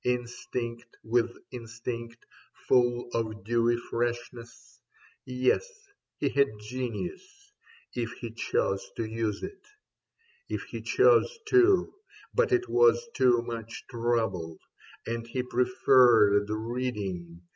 Instinct with instinct, full of dewy freshness. Yes, he had genius, if he chose to use it ; If he chose to — but it was too much trouble. And he preferred reading.